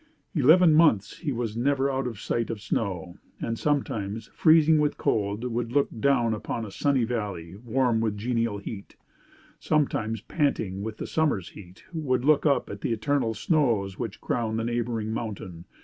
"Eleven months he was never out of sight of snow; and sometimes, freezing with cold, would look down upon a sunny valley, warm with genial heat; sometimes panting with the summer's heat, would look up at the eternal snows which crowned the neighboring mountain.